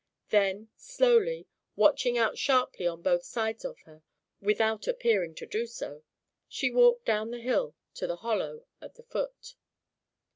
Then slowly, watching out sharply on both sides of her, without appearing to do so, she walked down the hill to the hollow at the foot.